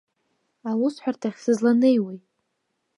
Аусҳәарҭахь сызланеиуеи?